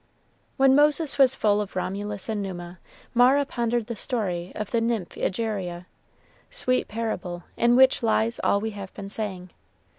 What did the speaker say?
When Moses was full of Romulus and Numa, Mara pondered the story of the nymph Egeria sweet parable, in which lies all we have been saying.